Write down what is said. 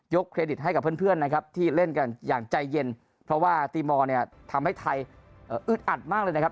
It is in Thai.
เครดิตให้กับเพื่อนนะครับที่เล่นกันอย่างใจเย็นเพราะว่าตีมอร์เนี่ยทำให้ไทยอึดอัดมากเลยนะครับ